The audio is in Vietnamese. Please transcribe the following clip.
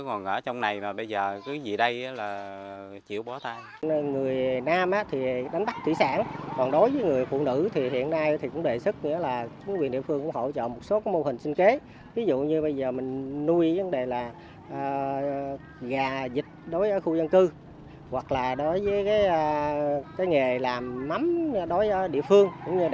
hoặc là đối với cái nghề làm mắm đối với địa phương cũng như để tận dụng cái sản phẩm đánh bắt thủy sản